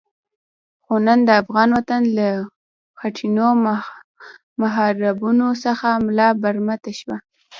خو نن د افغان وطن له خټینو محرابونو څخه ملا برمته شوی.